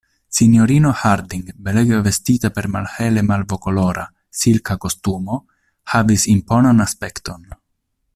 Sinjorino Harding, belege vestita per malhele malvokolora, silka kostumo, havis imponan aspekton.